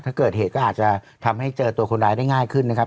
ถ้าเกิดเหตุก็อาจจะทำให้เจอตัวคนร้ายได้ง่ายขึ้นนะครับ